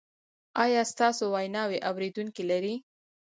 ایا ستاسو ویناوې اوریدونکي لري؟